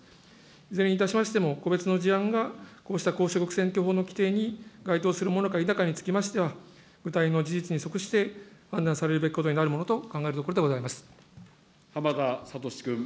いずれにいたしましても、個別の事案が、こうした公職選挙法の規定に該当するものか否かにつきましては、具体の事実に即して案内されるべきことになると考えてい浜田聡君。